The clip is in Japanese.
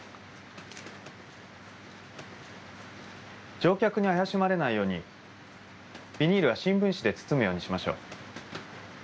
乗客に怪しまれないようにビニールは新聞紙で包むようにしましょう。